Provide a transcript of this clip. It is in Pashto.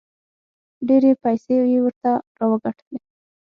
ډېرې پیسې یې ورته راوګټلې.